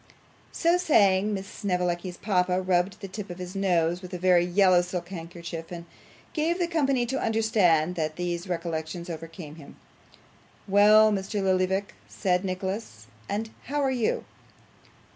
So saying Miss Snevellicci's papa rubbed the tip of his nose with a very yellow silk handkerchief, and gave the company to understand that these recollections overcame him. 'Well, Mr. Lillyvick,' said Nicholas, 'and how are you?